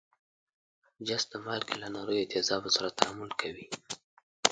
جست د مالګې له نریو تیزابو سره تعامل کوي.